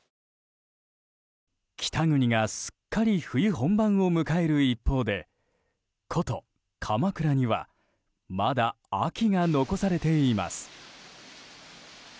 北国がすっかり冬本番を迎える一方で古都・鎌倉にはまだ秋が残されています。